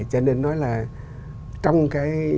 cho nên nói là trong cái